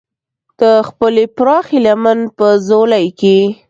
د خپلې پراخې لمن په ځولۍ کې.